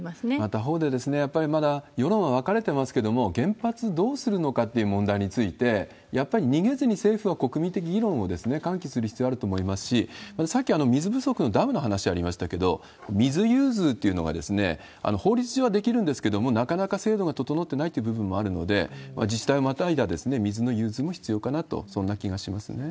他方で、やっぱりまだ世論は分かれてますけれども、原発どうするのかっていう問題について、やっぱり逃げずに政府は国民的議論を喚起する必要あると思いますし、またさっき水不足のダムの話ありましたけど、水融通っていうのが法律上はできるんですけれども、なかなか制度が整っていない部分もあるので、自治体をまたいだ水の融通も必要かなと、そんな気がしますね。